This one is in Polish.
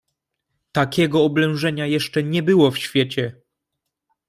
"Takiego oblężenia jeszcze nie było w świecie!"